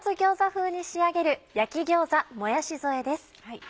風に仕上げる「焼き餃子もやし添え」です。